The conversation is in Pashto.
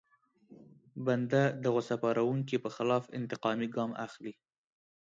بنده د غوسه پاروونکي په خلاف انتقامي ګام اخلي.